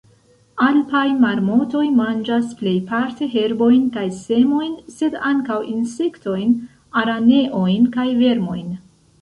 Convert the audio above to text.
Alpaj marmotoj manĝas plejparte herbojn kaj semojn, sed ankaŭ insektojn, araneojn kaj vermojn.